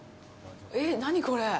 えっ、何、これ？